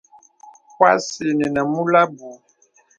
Pwas inə nə̀ mūl abù.